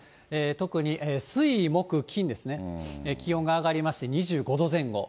特に水、木、金ですね、気温が上がりまして、２５度前後。